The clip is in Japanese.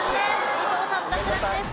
伊藤さん脱落です。